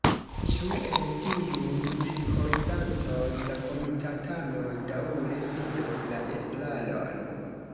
Ĉu en tiuj cirkonstancoj la komitatanoj daŭre fidos la estraron?